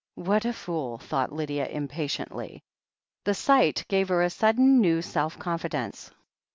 What a fool, thought Lydia impatiently. The sight gave her a sudden, new self confidence.